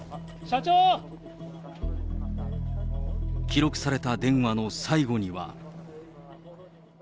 記録された電話の最後には。